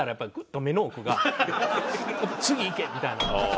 次行け！みたいな。